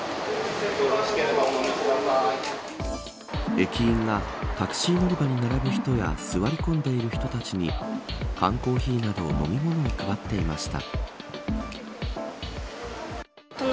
駅員がタクシー乗り場に並ぶ人や座り込んでいる人たちに缶コーヒーなど飲み物を配っていました。